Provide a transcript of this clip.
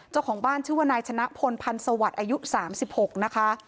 เจ้าของบ้านชื่อว่านายชนะพลพันธุ์สวรรค์อายุสามสิบหกนะคะ